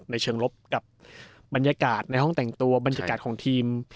ในเชิงลบกับบรรยากาศในห้องแต่งตัวบรรยากาศของทีม